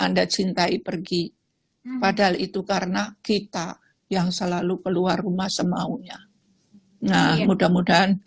anda cintai pergi padahal itu karena kita yang selalu keluar rumah semaunya nah mudah mudahan